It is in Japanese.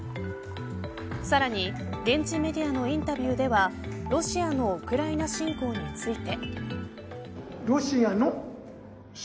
さらに、現地メディアのインタビューではロシアのウクライナ侵攻について。